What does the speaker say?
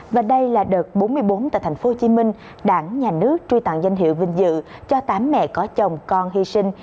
và đây là đợt bốn mươi bốn tại tp hcm đảng nhà nước truy tặng danh hiệu vinh dự cho tám mẹ có chồng con hy sinh